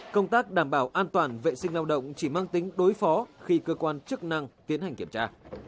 công tác đảm bảo an toàn vệ sinh lao động chỉ mang tính đối phó khi cơ quan chức năng tiến hành kiểm tra